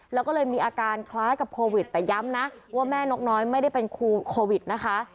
แล้วก็เลยมีอาการคล้ายกับโควิดแต่ย้ำนะว่าแม่นกน้อยไม่ได้เป็นโควิดนะคะ